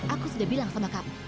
aku sudah bilang sama kamu